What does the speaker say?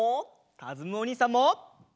かずむおにいさんも！